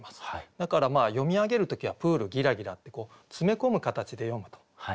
だから読み上げる時は「プールぎらぎら」って詰め込む形で読むと。